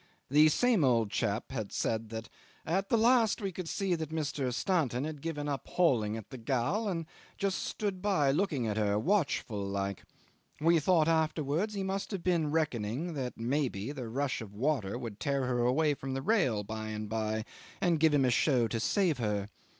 The same old chap said that "At the last we could see that Mr. Stanton had given up hauling at the gal, and just stood by looking at her, watchful like. We thought afterwards he must've been reckoning that, maybe, the rush of water would tear her away from the rail by and by and give him a show to save her.